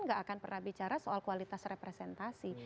nggak akan pernah bicara soal kualitas representasi